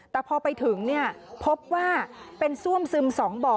แต่พอไปถึงพบว่าเป็นซ่วมซึม๒บ่อ